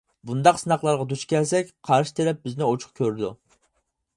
بۇنداق سىناقلارغا دۇچ كەلسەك قارشى تەرەپ بىزنى ئوچۇق كۆرىدۇ.